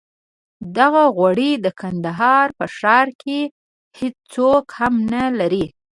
دغه غوړي د کندهار په ښار کې هېڅوک هم نه لري.